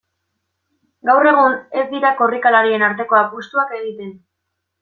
Gaur egun ez dira korrikalarien arteko apustuak egiten.